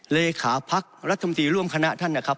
เลขาพักรัฐมนตรีร่วมคณะท่านนะครับ